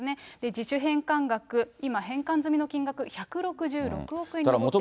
自主返還額、今、返還済みの金額、１６６億円に上っていると。